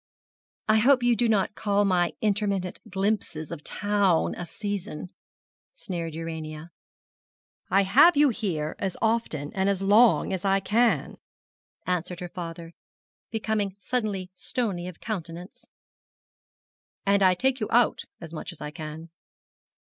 I hope you do not call my intermittent glimpses of town a season,' sneered Urania. 'I have you here as often and as long as I can,' answered her father, becoming suddenly stony of countenance, 'and I take you out as much as I can.